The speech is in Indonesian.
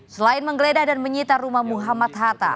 selain menggeledah dan menyita rumah muhammad hatta